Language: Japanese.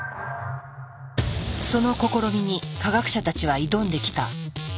その試みに科学者たちは挑んできた。